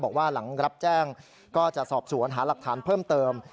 บอกว่าหลังรับแจ้งก็จะสอบสวนหาหลักฐานเพิ่มเติม